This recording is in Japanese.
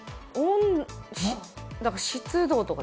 湿度とか？